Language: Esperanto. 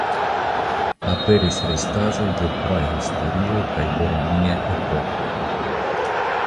Aperis restaĵoj de prahistorio kaj de romia epoko.